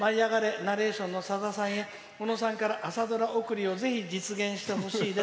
ナレーターのさださん小野さんから朝ドラ送りをぜひ実現してほしいです。